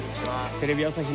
テレビ朝日